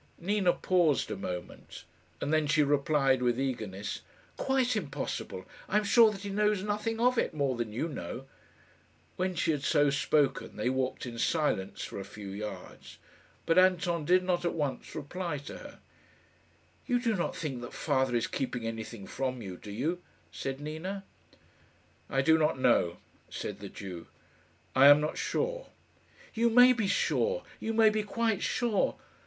Nina paused a moment, and then she replied with eagerness, "Quite impossible. I am sure that he knows nothing of it more than you know." When she had so spoken they walked in silence for a few yards, but Anton did not at once reply to her. "You do not think that father is keeping anything from you, do you," said Nina. "I do not know," said the Jew. "I am not sure." "You may be sure. You may be quite sure.